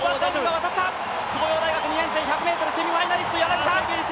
東洋大学１００ｍセミファイナリスト柳田。